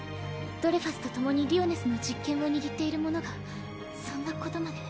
ドレファスと共にリオネスの実権を握っている者がそんなことまで。